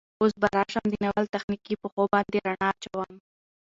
اوس به راشم د ناول تخنيکي بوخو باندې ړنا اچوم